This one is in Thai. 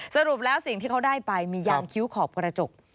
สรุปแล้วสิ่งที่เขาได้ไปมียางคิ้วขอบกระจก